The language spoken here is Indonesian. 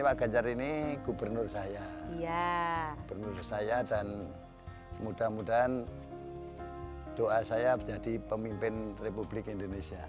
pak ganjar ini gubernur saya gubernur saya dan mudah mudahan doa saya menjadi pemimpin republik indonesia